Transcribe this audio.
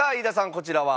こちらは？